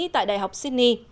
tại đại học sydney